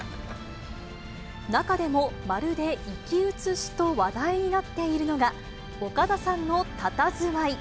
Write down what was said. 中でもまるで生き写しと話題になっているのが、岡田さんのたたずまい。